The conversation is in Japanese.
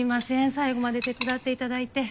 最後まで手伝って頂いて。